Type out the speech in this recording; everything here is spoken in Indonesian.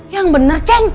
yang bener ceng